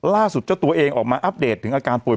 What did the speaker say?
ล่าสุดจะตัวเองออกมาอัพเดทถึงอาการปุ่น